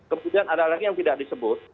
kemudian ada lagi yang tidak disebut